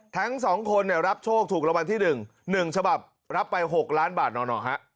ทั้ง๒คนรับโชคถูกรางวัลที่๑๑ฉบับรับไป๖ล้านบาทหน่อฮะ